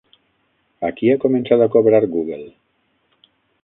A qui ha començat a cobrar Google?